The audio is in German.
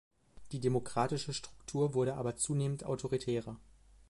Die demokratische Struktur wurde aber zunehmend autoritärer.